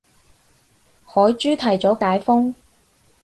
海珠提早解封